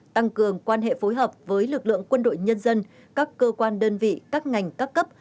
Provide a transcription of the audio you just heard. tăng cường quan hệ phối hợp với lực lượng quân đội nhân dân các cơ quan đơn vị các ngành các cấp